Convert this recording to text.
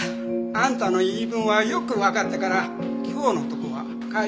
あんたの言い分はよくわかったから今日のとこは帰りなさい。